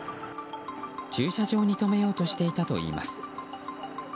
駐車場に止めようとしていたといいます。